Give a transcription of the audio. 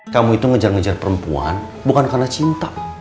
kamu itu ngejar ngejar perempuan bukan karena cinta